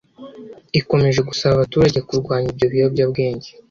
ikomeje gusaba abaturage kurwanya ibyo biyobyabwenge